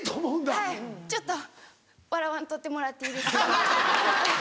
はい「ちょっと笑わんとってもらっていいですか」。